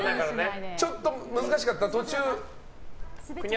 ちょっと難しかった？